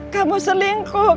kamu selingkuh kemet